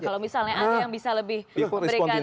kalau misalnya ada yang bisa lebih memberikan